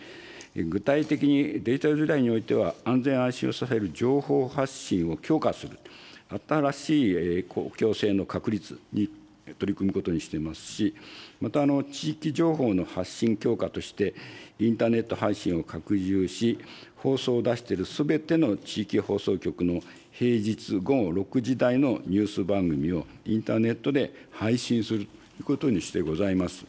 具体的にデジタル時代においては、安全・安心を支える情報発信を強化すると、新しい公共性の確立に取り組むことにしていますし、また地域情報の発信強化として、インターネット配信を拡充し、放送を出しているすべての地域放送局の平日午後６時台のニュース番組を、インターネットで配信するということにしてございます。